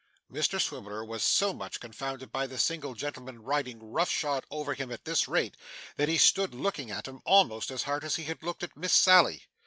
Mr Swiveller was so much confounded by the single gentleman riding roughshod over him at this rate, that he stood looking at him almost as hard as he had looked at Miss Sally.